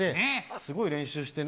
すごい練習して。